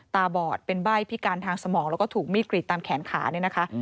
บอดเป็นใบ้พิการทางสมองแล้วก็ถูกมีดกรีดตามแขนขาเนี่ยนะคะ